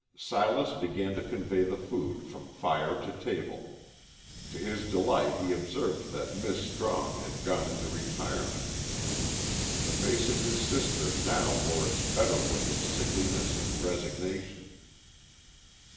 Silas began to convey the food from fire to table. To his delight he observed that "Mis' Strong" had gone into retirement. The face of his sister now wore its better look of sickliness and resignation.